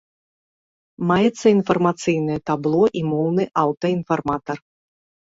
Маецца інфармацыйнае табло і моўны аўтаінфарматар.